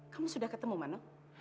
kamu sudah ketemu mano